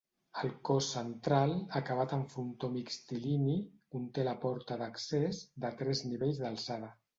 El cos central, acabat en frontó mixtilini, conté la porta d'accés, de tres nivells d'alçada.